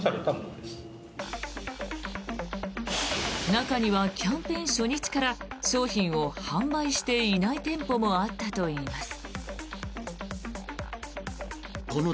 中にはキャンペーン初日から商品を販売していない店舗もあったといいます。